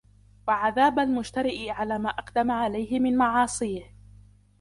وَعَذَابَ الْمُجْتَرِئِ عَلَى مَا أَقْدَمَ عَلَيْهِ مِنْ مَعَاصِيهِ